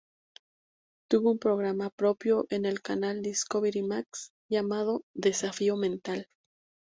Tuvo un programa propio en el canal Discovery Max, llamado "Desafío Mental".